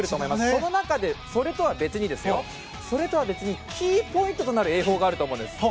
その中でそれとは別にキーポイントとなる泳法があると思うんです。